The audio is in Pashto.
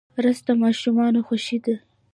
رس د ماشومانو خوښي ده